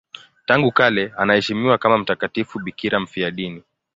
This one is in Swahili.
Tangu kale anaheshimiwa kama mtakatifu bikira mfiadini.